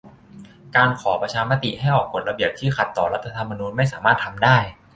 การขอประชามติให้ออกกฎระเบียบที่ขัดต่อรัฐธรรมนูญไม่สามารถทำได้